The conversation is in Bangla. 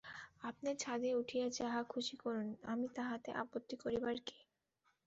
আপনি ছাদে উঠিয়া যাহা খুশি করুন, আমি তাহাতে আপত্তি করিবার কে?